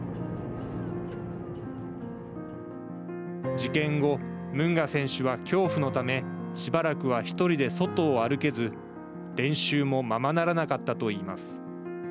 事件後、ムンガ選手は恐怖のためしばらくは１人で外を歩けず練習もままならなかったと言います。